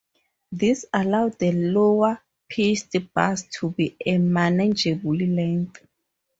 This allows the lower-pitched bars to be a manageable length.